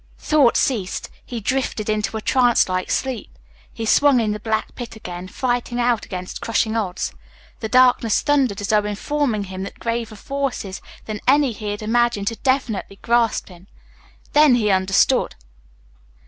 Thought ceased. He drifted into a trance like sleep. He swung in the black pit again, fighting out against crushing odds. The darkness thundered as though informing him that graver forces than any he had ever imagined had definitely grasped him. Then he understood.